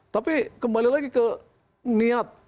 tapi kembali lagi ke niat